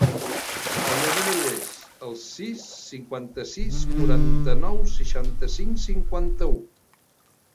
El meu número es el sis, cinquanta-sis, quaranta-nou, seixanta-cinc, cinquanta-u.